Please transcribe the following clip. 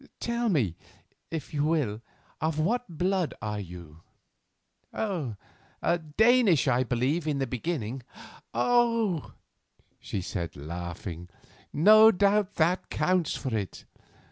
Tell me, if you will, of what blood are you?" "Danish, I believe, in the beginning." "Oh," she said, laughing, "no doubt that accounts for it.